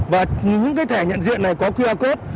và những cái thẻ nhận diện này có qr code